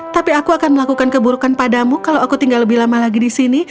tapi aku akan melakukan keburukan padamu kalau aku tinggal lebih lama lagi di sini